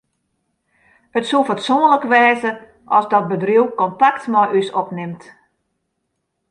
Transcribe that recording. It soe fatsoenlik wêze as dat bedriuw kontakt mei ús opnimt.